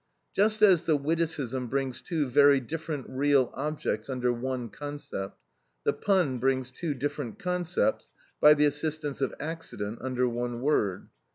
Just as the witticism brings two very different real objects under one concept, the pun brings two different concepts, by the assistance of accident, under one word.